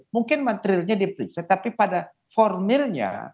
mungkin materilnya diperiksa tapi pada formilnya